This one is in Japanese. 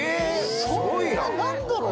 そんな何だろう